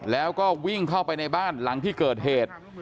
แล้วก็วิ่งเข้าไปในบ้านหลังที่เกิดเหตุ